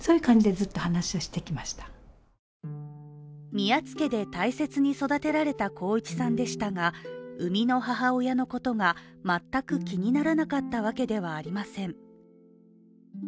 宮津家で大切に育てられた航一さんでしたが産みの母親のことが全く気にならなかったわけではありません。